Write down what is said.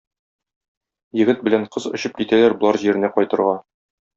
Егет белән кыз очып китәләр болар җиренә кайтырга.